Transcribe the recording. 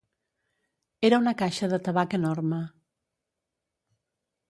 Era una caixa de tabac enorme.